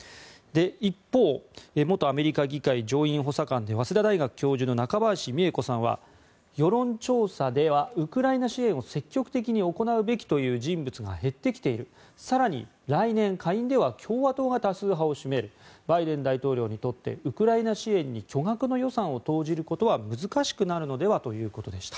一方元アメリカ議会上院補佐官で早稲田大学教授の中林美恵子さんは世論調査ではウクライナ支援を積極的に行うべきという人物が減ってきている更に来年、下院では共和党が多数派を占めるバイデン大統領にとってウクライナ支援に巨額の予算を投じることは難しくなるのではということでした。